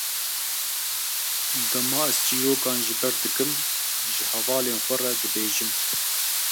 Dema ez çîrokan ji ber dikim, ji hevalên xwe re dibêjim.